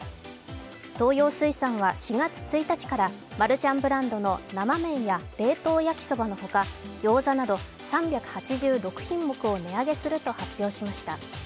東洋水産は４月１日からマルちゃんブランドの生麺や冷凍焼そばの他、餃子など３８６品目を値上げすると発表しました。